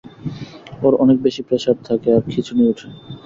ওর অনেক বেশি প্রেসার থাকে আর খিচুনি উঠে।